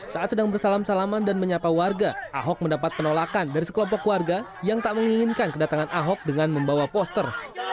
saat sedang bersalam salaman dan menyapa warga ahok mendapat penolakan dari sekelompok warga yang tak menginginkan kedatangan ahok dengan membawa poster